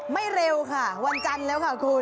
เร็วค่ะวันจันทร์แล้วค่ะคุณ